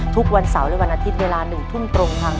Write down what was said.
ทุกวันเสาร์และวันอาทิตย์เวลา๑ทุ่มตรงทาง